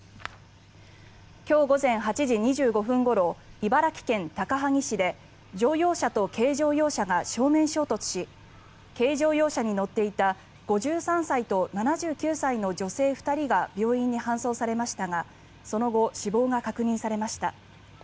今日午前８時２５分ごろ茨城県高萩市で乗用車と軽乗用車が正面衝突し軽乗用車に乗っていた５３歳と７９歳の女性２人が病院に搬送されましたがその後、死亡が確認されました。